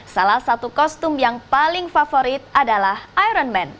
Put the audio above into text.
salah satu kostum yang paling favorit adalah iron man